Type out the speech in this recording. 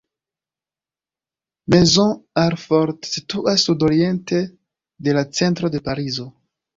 Maisons-Alfort situas sudoriente de la centro de Parizo.